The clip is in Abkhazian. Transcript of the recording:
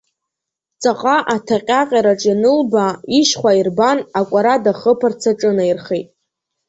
Ҵаҟа аҭаҟьаҟьараҿ ианылбаа, ишьхәа аирбан, акәара дахыԥарц аҿынаирхеит.